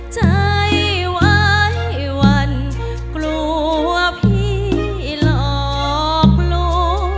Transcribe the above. ใจไว้วันกลัวพี่หลอกรู้